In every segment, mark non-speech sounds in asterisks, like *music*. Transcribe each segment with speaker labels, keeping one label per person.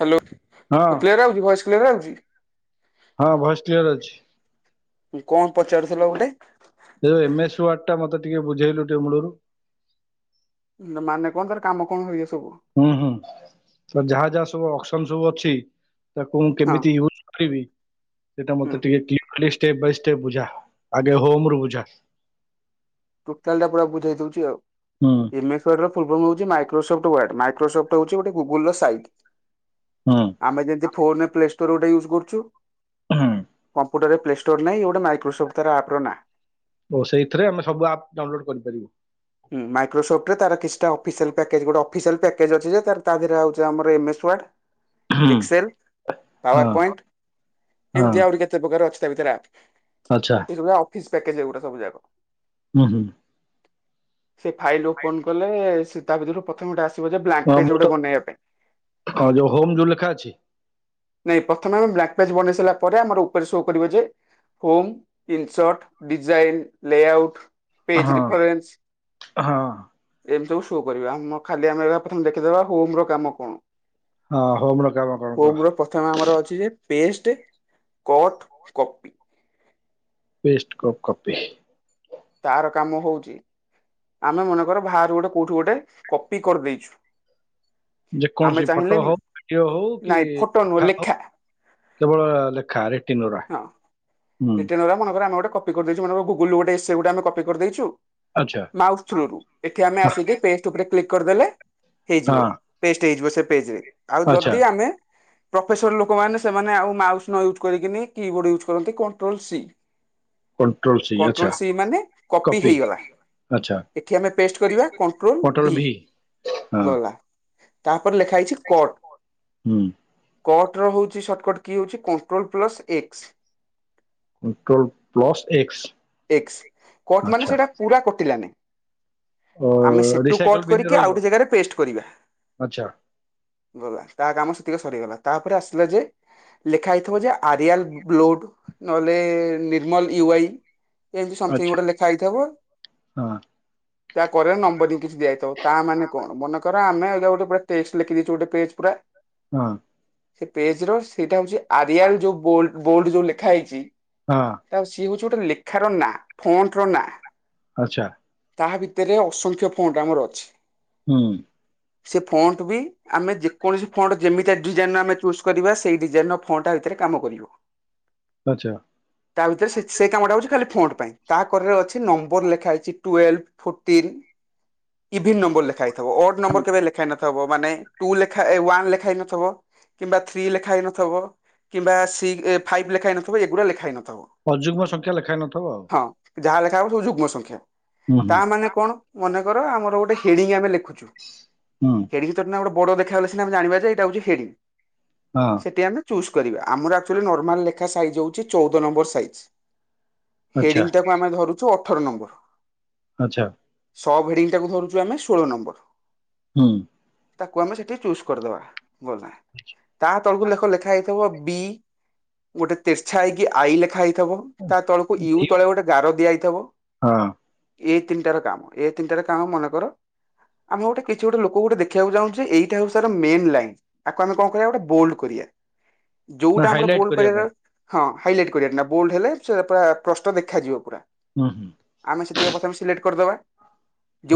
Speaker 1: Hello
Speaker 2: ହଁ
Speaker 1: clear ଆଉଚି, voice clear ଆଉଚି?
Speaker 2: ହଁ ଭଏସ୍ କ୍ଲିୟର ଅଛି।
Speaker 1: କଣ ପଚାରୁଥିଲ ଗୋଟେ?
Speaker 2: ଦେ ଏମ ଏସ୍ ୱାଡ ଟା ମତେ ଟିକେ ବୁଝେଇଲୁ ଟିକେ ମୂଳୁ ରୁ।
Speaker 1: ମାନେ କଣ ତାର କାମ କଣ ଏଇୟା ସବୁ?
Speaker 2: ହୁଁ ହୁଁ ତା ଯାହା ଯାହା ସବୁ ଅପସନ୍ ସବୁ ଅଛି। ତାକୁ ମୁଁ
Speaker 1: ହଁ
Speaker 2: କେମିତି ୟୁଜ କରିବି ସେଇଟା
Speaker 1: ହୁଁ
Speaker 2: ମତେ ଟିକେ କ୍ଲି ଖାଲି ଷ୍ଟେପ୍ ବାଇ ଷ୍ଟେପ୍ ବୁଝା ଆଗେ ହୋମ ରୁ ବୁଝା।
Speaker 1: ଟୋଟାଲ ଟା ପୁରା ବୁଝେଇ ଦଉଚି ଆଉ।
Speaker 2: ହୁଁ
Speaker 1: ଏମ୍ ଏସ୍ ର ଫୁଲଫର୍ମ ହଉଚି ମାଇକ୍ରୋସଫ୍ଟ ୱାଡ୍। ମାଇକ୍ରୋସଫ୍ଟ ହଉଚି ଗୋଟେ ଗୁଗଲ ର ସାଇଟ୍।
Speaker 2: ହୁଁ।
Speaker 1: ଆମେ ଯେମତି ଫୋନ ରେ ପ୍ଲେ ଷ୍ଟୋର ଗୋଟ ୟୁଜ କରୁଚୁ।
Speaker 2: ହୁଁ।
Speaker 1: କମ୍ପ୍ୟୁଟର୍ ରେ ପ୍ଲେ ଷ୍ଟୋର ନାହିଁ ଇଏ ଗୋଟେ ମାଇକ୍ରୋସଫ୍ଟ ତା ଆପ ର ନାଁ।
Speaker 2: ଓ ସେଇଥିରେ ଆମେ ସବୁ ଆପ୍ ଡାଉନଲୋଡ୍ କରିପାରିବୁ।
Speaker 1: ଉଁ ମାଇକ୍ରୋସପ୍ଟ ରେ ତାର କିଛିଟା ଅଫିସିଆଲ ପ୍ୟାକେଜ ଗୋଟେ ଅଫିସିଆଲ ପ୍ୟାକେଜ ଅଛି ଯେ ତାର ତା ଦେହରେ ଆଉଚି ତାର ଏମ୍ ଏସ ୱାର୍ଡ
Speaker 2: ହୁଁ
Speaker 1: ଏକ୍ସେଲ,
Speaker 2: ହଁ
Speaker 1: ପାୱାର ପଏଣ୍ଟ
Speaker 2: ହଁ
Speaker 1: ଏମତି ଆଉରି କେତ୍ କେତେ ପ୍ରକାର ଅଛି ତା ଭିତରେ ଆପ୍?
Speaker 2: ଆଚ୍ଛା।
Speaker 1: ଏସବୁରା ଅଫିସ୍ ପ୍ୟାକେଜ ଏଗୁରା ସବୁା ଯାକ।
Speaker 2: ଉଁ ହୁଁ।
Speaker 1: ସେ ଫାଇଲ ଓପନ କଲେ ସେ ତା ଭିତରୁ ପ୍ରଥମେ ଗୋଟେ ଆସିବ ଯେ ବ୍ଲାଙ୍କ
Speaker 2: ହଁ
Speaker 1: ପେଜ
Speaker 2: ମୁଁ ତ
Speaker 1: ଗୋଟେ ବନେଇବା ପାଇଁ।
Speaker 2: ହଁ ଯୋଉ ହୋମ୍ ଯୋଉ ଲେଖା ଅଛି?
Speaker 1: ନାଇଁ ପ୍ରଥମେ ଆମେ ବ୍ଲାଙ୍କ ପେଜ ବନେଇ ସାରିଲା ପରେ ଆମର ଉପରେ ସୋ କରିବେ ଯେ home insert, design, layout, page
Speaker 2: ହଁ
Speaker 1: ରିଫରେନ୍ସ।
Speaker 2: ହଁ।
Speaker 1: ଏମିତି ସବୁ ସୋ କରିବ। ଆମ ଖାଲି ଆମେ ଏରା ପ୍ରଥମେ ଦେଖିଦେବା ହୋମ ର କାମ କଣ?
Speaker 2: ହଁ ହୋମ ର କାମ କଣ
Speaker 1: ହୋମ
Speaker 2: କହ?
Speaker 1: ର ପ୍ରଥମେ ଆମର ଅଛି ଯେ paste, cut, copy.
Speaker 2: Paste, cut, copy.
Speaker 1: ତାର କାମ ହଉଚି ଆମେ ମନେକର ବାହାରୁ ଗୋଟେ କୋଉଠି ଗୋଟେ କପି କରିଦେଇଛୁ। ଆମେ
Speaker 2: ଯେକୌଣସି
Speaker 1: ଚାହିଁଲେ
Speaker 2: ଫଟୋ ହଉ ଭିଡିଓ ହଉ କି
Speaker 1: ନାଇଁ ଫଟୋ ନୁହଁ
Speaker 2: କଥା ହଉ।
Speaker 1: ଲେଖା
Speaker 2: କେବଳ ଲେଖା ରିଟିନ୍ ଗୁରା?
Speaker 1: ହଁ ରିଟିନ୍ ଗୁରା ମନେକର ଆମେ ଗୋଟେ କପି କରିଦେଇଚୁ ମନେକର ଗୁଗୁଲରୁ ଗୋଟେ ଏସେ ଗୋଟେ ଆମେ କପି କରିଦେଇଚୁ। ମାଉସ୍ ଥ୍ରୁ ରୁ ଏଠି ଆମେ ଆସିକି ପେଷ୍ଟ୍ ଉପରେ କ୍ଲିକ୍ କରିଦେଲେ ହେଇଯିବ। ପେଷ୍ଟ୍ ହେଇଯିବ ସେ ପେଜରେ। ଆଉ ଯଦି ଆମେ ପ୍ରଫେସର ଲୋକମାନେ ସେମାନେ ଆଉ ମାଉସ୍ ନ ୟୁଜ୍ କରିକିନି କି ବୋର୍ଡ ୟୁଜ୍ କରନ୍ତି କଣ୍ଟ୍ରୋଲ ସି। କଣ୍ଟ୍ରୋଲ ସି ମାନେ କପି ହେଇଗଲା। ଏଠି ଆମେ ପେଷ୍ଟ୍ କରିବା କଣ୍ଟ୍ରୋଲ ଭି ଗଲା। ତା ପରେ ଲେଖା ହେଇଛି କଟ୍। କଟ୍ ର ହଉଚି ସର୍ଟକଟ କି ହଉଚି control plus X.
Speaker 2: Control plus X.
Speaker 1: X cut ମାନେ ସେଟା ପୁରା କଟିଲାନି। ଆମେ ସେଠୁ କଟ୍ କରିକି ଆଉ ଗୋଟେ ଜାଗାରେ ପେଷ୍ଟ୍ କରିବା। ଗଲା ତା କାମ ସେତିକ ସରିଗଲା। ତା ପରେ ଆସିଲା ଯେ ଲେଖା ହେଇଥିବ ଯେ ଆରିଆଲ୍ ବ୍ଲୋଡ ନହେଲେ ନିର୍ମଲ ୟୁ ଆଇ ଏମିତି ସମଥିଙ୍ଗ ଗୋଟେ ଲେଖା ହେଇଥିବ। ତା କରେ ନମ୍ବରିଙ୍ଗି କିଛି ଦିଆଇଥିବ ତା ମାନେ କଣ। ମନେକର ଆମେ ଏଇକା ଗୋଟେ ପୁରା ଟେକ୍ସ ଲେଖି ଦେଇଚୁ ଗୋଟେ ପେଜ ପୁରା।
Speaker 2: ହଁ।
Speaker 1: ସେ ପେଜ ର ସେଇଟା ହଉଚି ଆରିଆଲ ଯୋଉ ବୋଲ୍-ବୋଲ୍ଡ ଯୋଉ ଲେଖା ହେଇଚି
Speaker 2: ହଁ।
Speaker 1: ତା ସିଏ ହଉଛି ଗୋଟେ ଲେଖାର ନାଁ ଫ୍ରଣ୍ଟ ର ନାଁ।
Speaker 2: ଆଚ୍ଛା।
Speaker 1: ତାହା ଭିତରେ ଅସଂଖ୍ୟ ଫ୍ରଣ୍ଟ ଆମର ଅଛି।
Speaker 2: ହୁଁ।
Speaker 1: ସେ ଫ୍ରଣ୍ଟ ବି ଆମେ ଯେକୌଣସି ଫ୍ରଣ୍ଟ ଯେମିତି ଡିଜାଇନ ଆମେ ଚୁଜ୍ କରିବା। ସେଇ ଡିଜାଇନ ଫ୍ରଣ୍ଟ ଆ ଭିତରେ କାମ କରିବ।
Speaker 2: ଆଚ୍ଛା।
Speaker 1: ତା ଭିତରେ ସେ ସେଇ କାମଟା ହଉଛି ଖାଲି ଫ୍ରଣ୍ଟ ପାଇଁ। ତା କରରେ ଅଛି ନମ୍ବର ଲେଖା ହେଇଛି ଟୁଏଲ୍ଭ ଫୋଟିନ୍, ଇଭିନ୍ ନମ୍ବର ଲେଖା ହେଇଥିବ। ଅଡ୍ ନମ୍ବର କେବେ ଲେଖା ହେଇନଥିବ। ଥବ। ମାନେ ଟୁ ଲେଖା ୱାନ୍ ଲେଖା ହେଇ ନଥିବ। କିମ୍ବା ଥ୍ରୀ ଲେଖା ହେଇନଥିବ। କିମ୍ବା ସି ଫାଇଭ୍ ଲେଖା ହେଇନଥିବ। ଏଗୁଡା ଲେଖା ହେଇନଥିବ।
Speaker 2: ଅଯୁଗ୍ମ ସଂଖ୍ୟା ଲେଖା ହେଇନଥବ ଆଉ?
Speaker 1: ହଁ। ଯାହା ଲେଖା ହବ ସବୁ ଯୁଗ୍ମ ସଂଖ୍ୟା।
Speaker 2: ହୁଁ ହୁଁ
Speaker 1: ତା ମାନେ କଣ? ମନେକର ଆମର ଗୋଟେ ହେଡିଙ୍ଗ ଆମେ ଲେଖୁଛୁ?
Speaker 2: ହୁଁ।
Speaker 1: ହେଡିଙ୍ଗ ତ *inaudible* ଗୋଟେ ବଡ ଦେଖା ଗଲେ ସିନା ଜଣିବା ଯେ ଏଇଟା ହୋଉଛି ହେଡିଙ୍ଗ।
Speaker 2: ହଁ।
Speaker 1: ସେଠି ଆମେ ଚୂଜ୍ କରିବା। ଆମର ଆକ୍ଚୁଆଲି ନର୍ମାଲ ଲେଖା ସାଇଜ୍ ହଉଛି ଚଉଦ ନମ୍ବର ସାଇଜ୍।
Speaker 2: ଆଚ୍ଛା
Speaker 1: ହେଡିଙ୍ଗ ଟାକୁ ଆମେ ଧରୁଛୁ ଅଠର ନମ୍ବର।
Speaker 2: ଆଚ୍ଛା
Speaker 1: ସବ ହେଡିଙ୍ଗ ଟାକୁ ଧରୁୁଛୁ ଆମେ ଷୋଳ ନମ୍ବର।
Speaker 2: ହୁଁ।
Speaker 1: ତାକୁ ଆମେ ସେଠି ଚୁଜ୍ କରିଦବା। ଗଲା। ତା ତଳକୁ ଲେଖ ଲେଖା ହେଇଥିବ ବି! ଗୋଟେ ତେରଛା ହେଇକି ଆଇ ଲେଖା ହେଇଥିବ। ତା ତଳକୁ ୟୁ ତଳେ ଗୋଟେ ଗାର ଦିଆ ହେଇଥିବ।
Speaker 2: ହଁ।
Speaker 1: ଏଇ ତିନିଟା ର କାମ। ଏଇ ତିନିଟା ର କାମ ମନେକର ଆମେ ଗୋଟେ କିଛି ଗୋଟେ ଲୋକକୁ ଗୋଟେ ଦେଖେଇବାକୁ ଚାହୁଁଛେ? ଏଇଟା ହେଉଛି ତାର ମେନ୍ ଲାଇନ୍। ତାକୁ ଆମେ କଣ କରିବା ଗୋଟେ ବୋଲ୍ଡ କରିବା।
Speaker 2: ନା
Speaker 1: ଯୋଉଟା ଆମର
Speaker 2: ହାଇଲାଇଟ୍
Speaker 1: ବୋଲ୍ଡ
Speaker 2: କରିବା
Speaker 1: କରିବାର
Speaker 2: ପାଇଁ
Speaker 1: ହଁ ହାଇଲାଇଟ କରିବାକିନା। ବୋଲଡ ହେଲେ ସେ ପୁରା ପ୍ରଶ୍ଟ ଦେଖାଯିବ ପୁରା।
Speaker 2: ହୁଁ ହୁଁ।
Speaker 1: ଆମେ ସେତି ପ୍ରଥମେ ସିଲେକ୍ଟ କରିଦବା।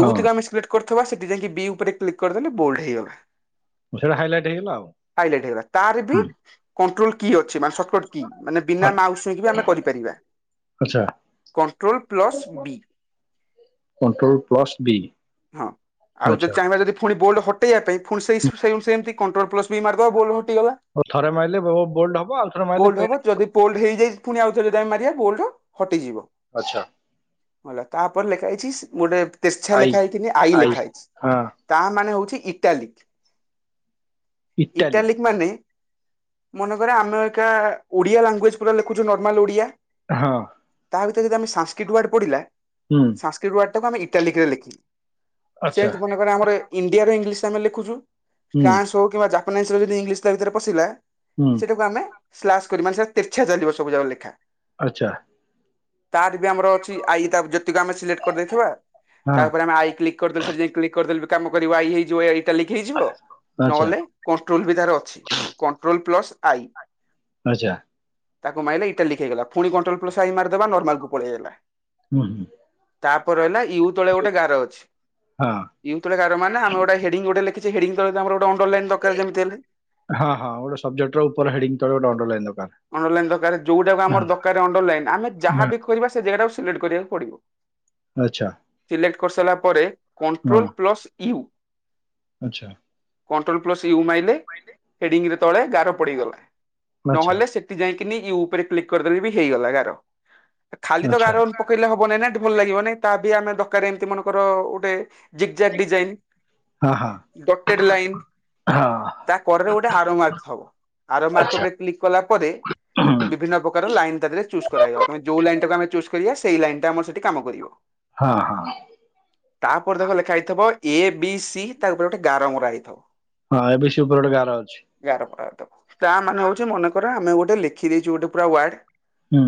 Speaker 2: ହଁ
Speaker 1: ଆମେ ସିଲେ କରିଥବା। ସେଠି ଯାଇକି ବି ଉପରେ କ୍ଲିକ୍ କରିଦେଲେ ବୋଲ୍ଡ ହେଇଗଲା।
Speaker 2: ସେଇଟା ହାଇଲାଇଟ୍ ହେଇଗଲା ଆଉ
Speaker 1: ହାଇଲାଇଟ୍ ହେଇଗଲା। ତାର ବି
Speaker 2: ହୁଁ,
Speaker 1: କଣ୍ଟ୍ରୋଲ କି ଅ ମାନେ ସଟ୍ କଟ୍ କି। ମାନେ ବିନା ମାଉସ୍ ଛୁଇଁକି ବି ଆମେ କରିପାରିବା।
Speaker 2: ଆଚ୍ଛା।
Speaker 1: Control plus B.
Speaker 2: Control plus B.
Speaker 1: ହଁ। ଆଉ ଯଦି
Speaker 2: ଆଚ୍ଛା
Speaker 1: ଚାହିଁବା ଯଦି ପୁଣି ବୋଲଡ ହଟେଇବା ପାଇଁ? ଫୁଣି ସେଇ ସ ସ ସେମିତି କଣ୍ଟ୍ରୋଲ ପ୍ଲସ ବି ମାରିଦବ ବୋଲ୍ଡ ହଟିଗଲା।
Speaker 2: ଆଉ ଥରେ ମାରିଲେ ବୋଲ୍ଡ ହବ ଆଉ ଥରେ ମାରିଲେ
Speaker 1: ବୋଲ୍ଡ
Speaker 2: ପ୍ଲେନ୍
Speaker 1: ହବ ଯଦି? ବୋଲ୍ଡ ହେଇଯାଇଛି। ପୁଣି ଆଉ ଥରେ ଯଦି ଆମେ ମାରିବା ବୋଲ୍ଡ ହଟିଯିବ।
Speaker 2: ଆଚ୍ଛା।
Speaker 1: ଗଲା। ତାପରେ ଲେଖା ହେଇଛି ସ୍ ଗୋଟେ ତେର୍ଛା
Speaker 2: ଆଇ
Speaker 1: ଲେଖା ହେଇକିନି ଆଈ
Speaker 2: ଆଇ
Speaker 1: ଲେଖା ହେଇଛି?
Speaker 2: ହଁ
Speaker 1: ତା ମାନେ ହଉଛି ଇଟାଲିକ।
Speaker 2: ଇଟାଲୀ
Speaker 1: ଇଟାଲିକ ମାନେ? ମନେକରେ ଆମେ ଅଇଖା ଓଡିଆ ଲାଙ୍ଗୁଏଜ ପୁରା ଲେଖୁଛୁ ନର୍ମାଲ ଓଡିଆ!
Speaker 2: ହଁ
Speaker 1: ତା ଭିତରେ ଯଦି ଆମେ ସାଂସ୍କ୍ରିଟ ପଡିଲା?
Speaker 2: ହୁଁ
Speaker 1: ସାଂସ୍କ୍ରିଟ ୱାର୍ଡ ଟାକୁ ଆେ ଇଟାଲିକ୍ ରେ ଲେଖିଲୁ।
Speaker 2: ଆଚ୍ଛା
Speaker 1: ସେମିତି ମନେକରେ ଆମର ଇଣ୍ଡିଆର ଇଂଲିଶ ଆମେ ଲେଖୁଛୁ।
Speaker 2: ହୁଁ
Speaker 1: ଫ୍ରାନ୍ସ ହଉ କିମ୍ବା ଜା *unintelligible* ଯଦି ଇଂଲିଶ ତା ଭିତରେ ପଶିଲା?
Speaker 2: ହୁଁ
Speaker 1: ସେଇଟାକୁ ଆମେ ସ୍ଲାସ କରି ମାନେ ସେ ତେର୍ଛା ଚାଲିବ ସବୁଯାକ ଲେଖା।
Speaker 2: ଆଚ୍ଛା।
Speaker 1: ତାର ବି ଆମର ଅଛି, ଆଇ ତା ଯେତିକ ଆମେ ସିଲେକ୍ଟ କରିଦେଇଥିବା?
Speaker 2: ହଁ।
Speaker 1: ଏପଟେ ଆମେ ଆଇ କ୍ଲିକ୍ କରି ଦେଲେ ସେଇଟି ଯାଇ କ୍ଲିକ୍ କରିଦେଲେ କାମ କରିବ ଆଇ ହେଇ ଯିବ ଏଇଟା ଲିକ ହେଇଯିବ
Speaker 2: ଆଚ୍ଛା
Speaker 1: ନହେଲେ କଣ୍ଟ୍ରୋଲ ବି ତାର ଅଛି କଣ୍ଟ୍ରୋଲ ପ୍ଲସ ଆଇ।
Speaker 2: ଆଚ୍ଛା।
Speaker 1: ତାକୁ ମାଇଲେ ଏଇଟା ଲିକ୍ ହେଇଗଲା ପୁଣି କଣ୍ଟ୍ରୋଲ ପ୍ଲସ ଆଇ ମାରିଦବା ନର୍ମାଲକୁ ପଳେଇ ଆଇଲା।
Speaker 2: ହୁଁ।
Speaker 1: ତାପରେ ହେଲା ୟୁ ତଳେ ଗୋଟେ ଗାର ଅଛି।
Speaker 2: ହଁ
Speaker 1: ଇୟୁ ତଳେ ଗାର ମାନେ ଆମେ ଗୋଟେ ହେଡିଙ୍ଗ ଗୋଟେ ଲେଖିଚେ ହେଡିଙ୍ଗ ତଳେ ଆମର ଗୋଟେ ଆଣ୍ଡରଲାଇନ ଦରକାର ଯେମିତି ହେଲେ।
Speaker 2: ହଁ ହଁ ଗୋଟେ ସବଜେକ୍ଟ ଉପର ହେଡିଙ୍ଗ ତଳେ ଗୋଟେ ଅଣ୍ଡରଲାଇନ୍ ଦରକାର।
Speaker 1: ଅଣ୍ଡରଲାଇନ ଦରକାର ଯୋଉଟାକୁ ଆମର ଦରକାର ଅଣ୍ଡର ଲାଇନ୍ ଆମେ ଯାହା ବି କରିବା ସେ ଜାଗାକୁ ସିଲେକ୍ଟ କରିବାକୁ ପଡିବ।
Speaker 2: ଆଚ୍ଛା।
Speaker 1: ସିଲେକ୍ଟ କରିସାରିଲା ପରେ
Speaker 2: ହଁ
Speaker 1: କଣ୍ଟ୍ରୋଲ ପ୍ଲସ୍ ୟୁ।
Speaker 2: ଆଚ୍ଛା।
Speaker 1: କଣ୍ଟ୍ରୋଲ ପ୍ଲସ ୟୁ ମାଇଲେ ହେଡିଙ୍ଗରେ ତଳେ ଗାର ପଡିଗଲା
Speaker 2: ଆଚ୍ଛା
Speaker 1: ନହେଲେ ସେଠି ଯାଇକିନି ୟୁ ଉପରେ କ୍ଲିକ୍ କରିଦେଲେ ବି ହେଇଗଲା ଗାର ଖାଲି ତ
Speaker 2: ଆଚ୍ଛା
Speaker 1: ଗାର ପକେଇଲେ ହବ ନାଇଁ ନା ଭଲ ଲାଗିବନି ତା ପି ଆମେ ଦରକାର ଏମିତି ମନଙ୍କର ଗୋଟେ ଜିଗ ଜାକ ଡିଜାଇନ।
Speaker 2: ଆ ହା।
Speaker 1: ଟୋଟେଟ୍ ଲାଇନ୍ ତା କଡ଼ରେ ଗୋଟେ ଆରୋ ମାର୍କ ଥିବ ଆରୋ ମାର୍କ
Speaker 2: ଆଚ୍ଛା
Speaker 1: ଉପରେ କ୍ଲିକ୍ କଲା ପରେ ବିଭିନ୍ନ ପ୍ରକାର ଲାଇନ ତା ଥିରେ ଚୁଜ କରାଗଲା ତମେ ଯୋଉ ଲାଇନ୍ ଟାକୁ ଆମେ ଚୂଜ୍ କରିବା ସେଇ ଲାଇନ୍ ଟା ଆମ ସେଠି କାମ କରି ଇଓ
Speaker 2: ଆହା।
Speaker 1: ତାପରେ ଦେଖ ଲେଖା ହେଇଥିବ ଏ ବି ସି ତା ଉପରେ ଗୋଟେ ଗାର ମରା ହେଇଥିବ।
Speaker 2: ହଁ ଏବେ ସେଇ ଉପର ଗୋଟେ ଗାର ଅଛି।
Speaker 1: ଗାର ପକା ବାଟ ତା ମାନେ ହଉଛି ମନେକର ଆମେ ଗୋଟେ ଲେଖି ଦେଇଛୁ ଗୋଟେ ପୁରା ୱାର୍ଡ଼
Speaker 2: ହୁଁ।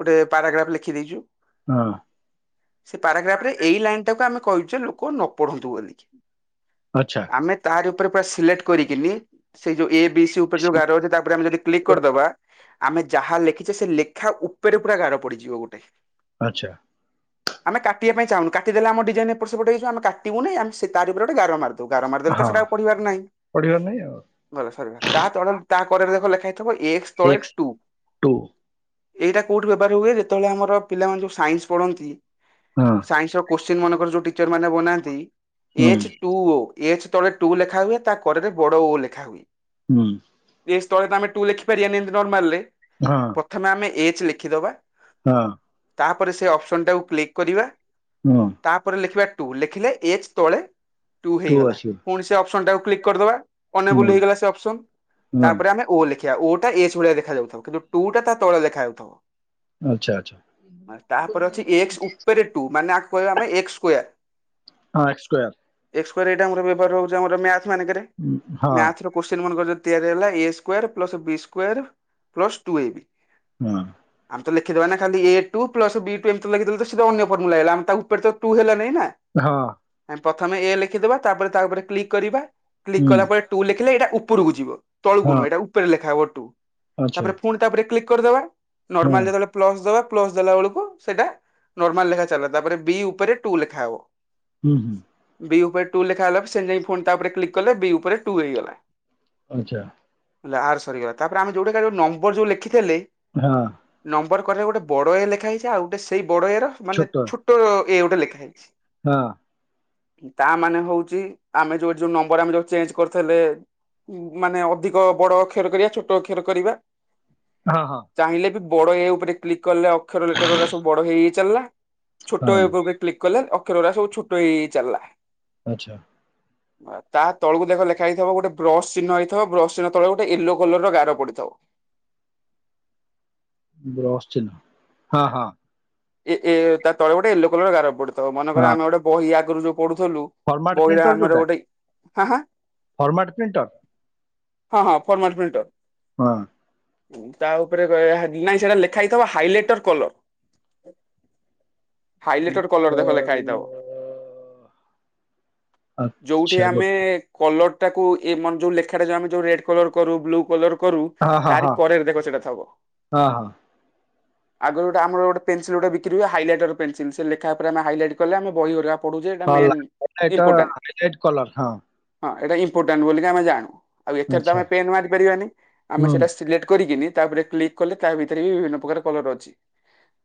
Speaker 1: ଗୋଟେ ପାରାଗ୍ରାଫ୍ ଲେଖି ଦେଇଛି।
Speaker 2: ହଁ।
Speaker 1: ସେ ପାରାଗ୍ରାଫ ରେ ଏଇ ଲାଇନ ଟାକୁ ଆମେ କହିଚୁ ଲୋକ ନ ପଢନ୍ତୁ ବୋଲି।
Speaker 2: ଆଚ୍ଛା।
Speaker 1: ଆମେ ତାରି ଉପରେ ପୁରା ସିଲେକ୍ଟ କରିକିନି ସେଇ ଯୋଉ ଏ ବି ସି ଉପରେ ଯୋଉ ଗାର ଅଛି ତାପରେ ଆମେ ଯଦି କ୍ଲିକ କରିଦବା ଆମେ ଯାହା ଲେଖିଛେ ସେ ଲେଖା ଉପରେ ପୁରା ଗାର ପଡିଯିବ ଗୋଟେ।
Speaker 2: ଆଚ୍ଛା।
Speaker 1: ଆମେ କାଟିବା ପାଇଁ ଚାହୁଁନୁ କାଟିଦେଲେ ଆମ ଡିଜାଇନି ଏପଟ ସେପଟ ହେଇଛ ଆମେ କାଟିବୁନି ଆମେ ସେ ତାରି ଉପରେ ଗୋଟେ ଗାର ମାରି ତୁ ଗାର ମାରିଦେଲେ ତ
Speaker 2: ହଁ
Speaker 1: ସେଟା ପଢିବାର ନାହିଁ
Speaker 2: ପଢିବାର ନାହିଁ ଆଉ
Speaker 1: ଗଲା ସଇଲା ତା ତଳେ ତା କରରେ ଦେଖ ଲେଖା ହେଇ ଥିବ ଏକସ ତଳେ
Speaker 2: ଏକ୍ସ
Speaker 1: ଟୁ
Speaker 2: ଟୁ
Speaker 1: ଏଇଟା କେଉଁଠି ବ୍ୟବହାର ହୁଏ ଯେତେବେଳେ ଆମର ପିଲାମାନେ ସାଇନ୍ସ ପଢ଼ନ୍ତି।
Speaker 2: ହଁ।
Speaker 1: ସାଇନ୍ସ ର କୋଶ୍ଚିନ୍ ମାନଙ୍କର ଯୋଉ ଟିଚର ମାନେ ବନାନ୍ତି
Speaker 2: ହୁଁ
Speaker 1: ଏଚ ଟୁ ଓ। ଏଚ ତଳେ ଟୁ ଲେଖା ହୁଏ ତା କରରେ ବଡ ଓ ଲେଖା ହୁଏ।
Speaker 2: ହୁଁ।
Speaker 1: ଏଚ୍ ତଳେ ତ ଆମେ ଟୁ ଲେଖିପାରିବାନି ଏମତି ନର୍ମାଲ ରେ।
Speaker 2: ହଁ।
Speaker 1: ପ୍ରଥମେ ଆମେ ଏଚ୍ ଲେଖିଦେବା।
Speaker 2: ହଁ।
Speaker 1: ତାପରେ ସେ ଅପସନ୍ ଟାକୁ କ୍ଲିକ୍ କରିବା।
Speaker 2: ହଁ।
Speaker 1: ତାପରେ ଲେଖିବା ଟୁ ଲେଖିଲେ ଏଚ୍ ତଳେ ଟୁ ହେଇଗଲା ପୁଣି ସେ ଅପସନ୍ ଟାକୁ କ୍ଲିକ୍ କରିଦବା।
Speaker 2: ହୁଁ
Speaker 1: ଅନଏବୁଲ ହେଇଗଲା ସେ ଅପସନ
Speaker 2: ହୁଁ
Speaker 1: ତାପରେ ଆମେ ଓ ଲେଖି ଖିବା ଓ ଟା ଏଚ୍ ଭଳିଆ ଦେଖାଯାଉଥିବ କିନ୍ତୁ ଟୁ ଟା ତା ତଳେ ଲେଖାଯାଉଥିବ।
Speaker 2: ଆଚ୍ଛା ଆଚ୍ଛା
Speaker 1: ମାନେ ତାପରେ ଅଛି ଏକ୍ସ୍ ଉପରେ ଟୁ ମାନେ ଆକୁ କହିବା ଆମେ ଏକ୍ସ୍ ସ୍କୋୟାର୍।
Speaker 2: ହଁ ଏକ୍ସ୍ ସ୍କୋୟାର୍।
Speaker 1: ଏକ୍ସ୍ ସ୍କୋୟାର୍ ଏଇଟା ଆମର ବ୍ୟଭାର ହଉଚି ଆମର ମ୍ୟାଥ୍ ମନଙ୍କରେ
Speaker 2: ହଁ
Speaker 1: ମ୍ୟାଥ୍ ର କୋତ୍ସିନ୍ ମନକରେ ଯଦି ତିଆରି ହେଲା A square plus B square plus two A B.
Speaker 2: ନାଁ।
Speaker 1: ଆମେତ ଲେଖିଦବା ନା ଖାଲି A two plus B two ଏମ୍ତି ଲେଖିଦଲେ ସ ସେତ ଅନ୍ୟ ଫର୍ମୁଲା ହେଇଗଲା ଆମେ ତା ଉପରେ ତ ଟୁ ହେଲା ନାଇଁ ନା।
Speaker 2: ହଁ।
Speaker 1: ଆମେ ପଥମେ ଏ ଲେଖିଦବା ତାପରେ ତାରେ କ୍ଲିକ୍ କରିବା କ୍ଲିକ୍
Speaker 2: ହୁଁ
Speaker 1: କଲା ପରେ ଟୁ ଲେଖିଲେ ଏଇଟା ଉପରକୁ ଯିବ ତଳକୁୁ
Speaker 2: ହଁ
Speaker 1: ନୁହେଁ ଏଇଟା ଉପରେ ଲେଖାହେବ ଟୁ
Speaker 2: ଆଚ୍ଛା
Speaker 1: ତାପରେ ଫୁଣି ତାରେ କ୍ଲିକ୍ କରିଦବା
Speaker 2: ହଁ
Speaker 1: ନର୍ମାଲ୍ ଯେତେବେଳେ ପ୍ଲସ୍ ଦବା ପ୍ଲସ୍ ଦେଲା ବେଳକୁ ସେଇଟା ନର୍ମାଲ ଲେଖା ଚାଲିଲା ତାପରେ ବି ଉପରେ ଟୁ ଲେଖାହବ।
Speaker 2: ହୁଁ ହୁଁ।
Speaker 1: ବି ଉପରେ ଟୁ ଲେଖା ହେଲା ସେନ୍ ନାଗି ଫୋନ୍ ତା ଉପରେ କ୍ଲିକ୍ କଲେ ବି ଉପରେ ଟୁ ହେଇଗଲା।
Speaker 2: ଆଚ୍ଛା।
Speaker 1: ହେଲା ଆର୍ ସରିଗଲା ତାରେ ଆମେ ଯୋଉଟା ଯୋଉ ନମ୍ବର ଯୋଉ ଲେଖିଥିଲେ।
Speaker 2: ହଁ।
Speaker 1: ନମ୍ବର କଲେ ଗୋଟେ ବଡ ଏ ଲେଖା ହେଇଚି ଆଉ ଗୋଟେ ସେଇ ବଡ ଏ ର ମାନେ ଛୋଟ ଏ ଗୋଟେ ଲେଖା ହେଇଚି।
Speaker 2: ହଁ।
Speaker 1: ତା ମାନେ ହଉଚି ଆମେ ଯୋଉ ଯୋଉ ନମ୍ବର ଆମେ ଯୋଉ ଚେଞ୍ଜ କରିଥେଲେ। ଉ ମାନେ ଅଧିକ ବଡ ଅକ୍ଷର କରିବା ଛୋଟ ଅକ୍ଷର କରିବା।
Speaker 2: ହଁ ହଁ।
Speaker 1: ଚାହିଁଲେ ବି ବଡ ଏ ଉପରେ କ୍ଲିକ୍ କଲେ ଅକ୍ଷର ଲେଟର୍ ସବୁ ବଡ ହେଇ ହେଇ ଚାଲିଲା ଛୋଟ
Speaker 2: ହଁ
Speaker 1: ଏ ଉପରେ କ୍ଲିକ୍ କଲେ ଅକ୍ଷର ଅରା ସବୁ ଛୋଟ ହେଇ ହେଇ ଚାଲିଲା।
Speaker 2: ଆଚ୍ଛା।
Speaker 1: ତା ତଳକୁ ଦେଖ ଲେଖା ହେଇଥିବ ଗୋଟେ ବ୍ରସ୍ ଚିହ୍ନ ହେଇଥିବ ବ୍ରସ୍ ଶୁଣ ତଳେ ଗୋଟେ ଏଲୋ କଲର୍ ଗାର ପଡିଥଵ।
Speaker 2: ବ୍ରସ୍ ଚିହ୍ନ ହଁ ହଁ।
Speaker 1: ଏ ଏ ତା ତଳେ ଗୋଟେ ୟେଲୋ କଲର୍ ର ଗାର ପଡିଥିବ ମନେକରେ
Speaker 2: ହଁ
Speaker 1: ଆମେ ଗୋଟେ ବହି ଆଗରୁ ଯୋଉ ପଢୁଥିଲୁ।
Speaker 2: ଫର୍ମାଟ
Speaker 1: ବହିଡା ଆମର ଗୋଟେଇ ହାଁ ହାଁ
Speaker 2: ଫର୍ମାଟ୍ ପ୍ରିଣ୍ଟର୍
Speaker 1: ହଁ ହଁ ଫର୍ମାଲ୍ ପ୍ରିଣ୍ଟର୍।
Speaker 2: ହଁ
Speaker 1: ତା ଉପରେ ଗୟାହାନି ନାଇଁ ସେଟା ଲେଖା ହେଇଥିବ ହାଇଲାଇଟର୍ କଲର୍। ହାଇଲାଇଟର୍ କଲର୍ ଦେଖ ଲେଖା ହେଇଥିବ। ଯଉଠି
Speaker 2: ଆଚ୍ଛା
Speaker 1: ଆମେ
Speaker 2: ଗୋଟେ
Speaker 1: କଲର ଟାକୁ ଏମାନେ ଯୋଉ ଲେଖାଟା ଯଉ ଆମେ ଯୋଉ ରେଡ୍ କଲର୍ କରୁ ବ୍ଲୁ କଲର୍ କରୁ
Speaker 2: ହଁ ହଁ
Speaker 1: ତାରି
Speaker 2: ହଁ
Speaker 1: କରରେ ଦେଖ ସେଟା ଥବ।
Speaker 2: ହଁ ହଁ
Speaker 1: ଆଗରୁ ଗୋଟେ ଆମର ଗୋଟେ ପେନସିଲ୍ ଗୋଟେ ବିକ୍ର ହୁଏ ହାଇଲାଇଟର୍ ପେନସିଲ୍ ସେ ଲେଖା ଉପରେ ଆମେ ଗୋଟେ ହାଇଲାଈଟି କଲେ ଆମ ବହି କହୁଯେ ଏଟା
Speaker 2: ହଁ
Speaker 1: ମଇଁ
Speaker 2: ଲାଲ ଏଟା
Speaker 1: ଇମ୍ପୋଟାଣ୍ଟ
Speaker 2: ହାଇଲାଇଟ କଲର ହଁ
Speaker 1: ହଁ ଏଟା ଇମ୍ପୋଟାଣ୍ଟ ବୋଲିକି ଆମେ ଜାଣୁ। ଆଉ ଏଥରେ ତ
Speaker 2: ଆଚ୍ଛା
Speaker 1: ଆମେ ପେନ୍ ମାରି ପାରିବାନି ଆମେ
Speaker 2: ହୁଁ
Speaker 1: ସେଇଟା ସିଲେକ୍ଟ କରିକିନି ତାପରେ କ୍ଲିକ୍ କଲେ ତା ଭିତରେ ବିଭିନ୍ନ ପ୍ରକାର କଲର ଅଛି।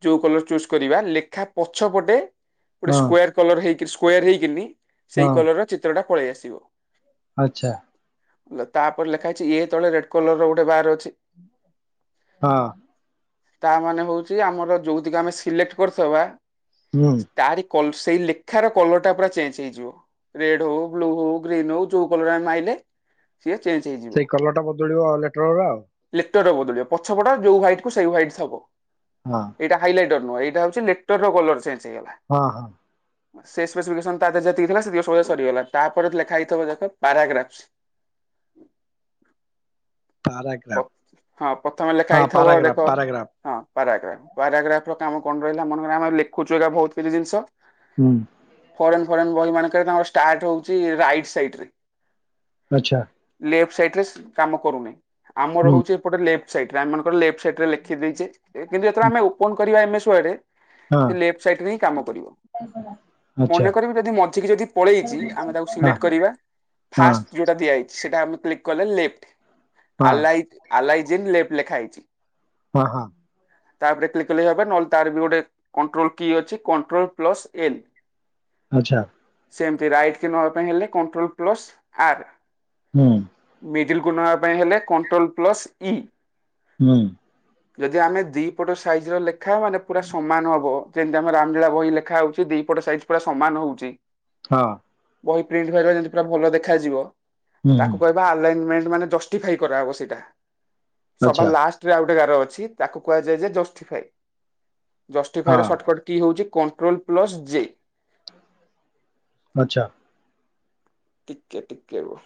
Speaker 1: ଯୋଉ କଲର ଚୁଜ୍ କରିବା ଲେଖା ପଛପଟେ ଗୋଟେ
Speaker 2: ହଁ
Speaker 1: ସ୍କ୍ୱାୱାର୍ କଲର ହେଇକ ସ୍କ୍ୱାୱାର୍ ହେଇକିନି
Speaker 2: ହଁ
Speaker 1: ସେଇ କଲର୍ର ଚିତ୍ରଟା ପଳେଇ ଆସିବ।
Speaker 2: ଆଚ୍ଛା।
Speaker 1: ତା ପରେ ଲେଖା ହେଇଛି ଇଏ ତଳେ ରେଡ୍ କଲର ର ଗୋଟେ ବାର ଅଛି।
Speaker 2: ହଁ
Speaker 1: ତା ମାନେ ହଉଛି ଆମର ଯୋଉତିକ ଆମେ ସିଲେକ୍ଟ୍ କରିଥିବା
Speaker 2: ହୁଁ
Speaker 1: ତାରି କଲ୍ ସେଇ ଲେଖାର କଲରଟା ପୁରା ଚେଞ୍ଜ ହେଇଯିବ। ରେଡ୍ ହଉ ବ୍ଲୁ ହଉ ଗ୍ରୀନ୍ ହଉ ଯୋଉ କଲର ଆମେ ମାଇଲେ ସିଏ ଚେଞ୍ ହେଇଯିବ।
Speaker 2: ସେଇ କଲର ଟା ବଦଳିବ ଲେଟର ର ଆଉ।
Speaker 1: ଲେଟରରବଦଳିବ ପଛପଟ ଯୋଉ ହ୍ୱାଇଟକୁ ସେଇ ହ୍ୱାଇଟ୍ ହବ
Speaker 2: ହଁ
Speaker 1: ଏଇଟା ହାଇଲାଇଟର ନୁହଁ ଏଇଟା ହେଉଛି ଲେଟରର କଲର ଚେଞ୍ଜ ହେଇଗଲା।
Speaker 2: ହଁ ହଁ
Speaker 1: ସେ ସ୍ପେସିଫିକେସନ ତା ଦେହରେଯେତିକି ଥିଲା ସତିକ ସବୁ ସରିଗଲା ତାପରେ ଲେଖା ହେଇଥିବ ଦେଖ ପାରାଗ୍ରା୍ପାସ ପ
Speaker 2: ପାରାଗ୍ରାଫ
Speaker 1: ପ୍ରଥମେ ଲେଖା
Speaker 2: ହଁ
Speaker 1: ହେଇଥବ,
Speaker 2: ପାରାଗ୍ରାଫ
Speaker 1: ଦେଖ।
Speaker 2: ପାରାଗ୍ରାଫ
Speaker 1: ହଁ, ପାରାଗ୍ରାଫ ପାରାଗ୍ରାଫ ର କାମ କଣ ରହିଲା ମନେକର, ଆମେ ଲେଖୁଛୁ ଏକା ବହୁତ କିଛି ଜିନିଷ
Speaker 2: ହୁଁ।
Speaker 1: ଫରେନ୍ ଫରେନ୍ ବହି ମାନଙ୍କରେ ତାଙ୍କର ଷ୍ଟାର୍ଟ ହଉଛି, ରାଇଟ୍ ସାଇଡ ରେ।
Speaker 2: ଆଚ୍ଛା।
Speaker 1: ଲେଫ୍ଟ ସାଇଡ ରେ ସେ କାମ କରୁନି ଆମର
Speaker 2: ହୁଁ
Speaker 1: ହଉଚି ଏପଟେ ଲେ୍ଫଟ ସାଇଡରେ ଆମ ମାନଙ୍କର ଲେ୍ପ୍ ସେଠରେ ଲେଖି ଦେଇଛେ କିନ୍ତୁ ଏଥର ଆମେ ଓପନ କରିବା ଏମ ଏସ ୱାର୍ଡ ସେ ଲେଫ୍ଟ ସାଇଡ ରେ ହିଁ କାମ କରିବ।
Speaker 2: ଆ *unintelligible*
Speaker 1: ମନେ କରିବି ଯଦି ମଝିକି ଯଦି ପଳେଇଛିି ଆମେ ତାକୁ
Speaker 2: ହଁ
Speaker 1: ସିଲେକ୍ଟ କରିବା।
Speaker 2: ହଁ
Speaker 1: ଫାଷ୍ଟ ଯୋଉଟା ଦିଆହେଇଛି ସେଟା ଆମେ କ୍ଲୀକି୍ କଲେ ଲେଫ୍ଟ୍
Speaker 2: ହଁ
Speaker 1: ଆଲାଇ ଆଲାଇ ଜିନ୍ ଲେ୍ଫ୍ଟ୍ ଲେଖା ହେଇଛି
Speaker 2: ଓ ହଁ
Speaker 1: ତାପରେ କ୍ଲିକ *unintelligible* ହେବେ ନହେଲେ ତାର ବି ଗୋଟେ କଣ୍ଟ୍ରୋଲ କି ଅଛି କଣ୍ଟ୍ରୋଲ ପ୍ଲସ ଏନ୍
Speaker 2: ଆଚ୍ଛା
Speaker 1: ସେମତି ରାଇଟ୍ କି ନବା ପାଇଁ ହେଲେ କଣ୍ଟ୍ରୋଲ ପ୍ଲସ ଆର୍।
Speaker 2: ହୁଁ
Speaker 1: ମିଡିଲକୁ ନେବା ପାଇଁ ହେଲେ କଣ୍ଟ୍ରୋଲ ପ୍ଲସ୍ ଇ
Speaker 2: ହୁଁ।
Speaker 1: ଯଦି ଆମେ ଦି ପଟ ସାଇଜିର ଲେଖା ମାନେ ପୁରା ସମାନ ହବ ଯେମିତି, ଆମର ରାମଲୀଳା ବହି ଲେଖାହଉଚି ଦିପଟ ସାଇଜ ପୁରା ସମାନ ହଉଚି।
Speaker 2: ହଁ।
Speaker 1: ବହି ପ୍ରିଣ୍ଟ ଭହାରିବା ଯେମିତି ପୁରା ଭଲ ଦେଖାଯିବ।
Speaker 2: ହୁଁ
Speaker 1: ତାକୁ କହିବା ଆଲେଇନ୍ ମେଣ୍ଟ ମାନେ ଜଷ୍ଟିଫାଏ କରାହବ ସେଇଟା। ସଭା
Speaker 2: ଆଚ୍ଛା
Speaker 1: ଲାଷ୍ଟ ରେ ଆଉ ଗୋଟେ ଗାର ଅଛି। ତାକୁ କୁହାଯାଏ ଯେ ଜଷ୍ଟିଫାଏ ଜସଟିଫାଇ
Speaker 2: ହଁ
Speaker 1: ର ସଟର୍କଟ କି ହଉଛି, କଣ୍ଟ୍ରୋଲ ପ୍ଲସ୍ ଜେ
Speaker 2: ଆଚ୍ଛା।
Speaker 1: ଟିକେ ଟିକେ ରୁହ।